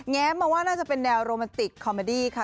แงบว่าน่าจะเป็นแดลรอมาติกคอมเมอร์ดีค่ะ